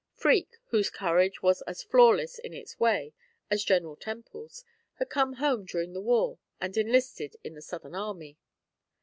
Freke, whose courage was as flawless in its way as General Temple's, had come home during the war and enlisted in the Southern army.